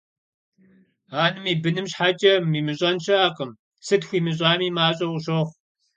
Анэм и быным щхьэкӀэ имыщӀэн щыӀэкъым, сыт хуимыщӀами, мащӀэу къыщохъу.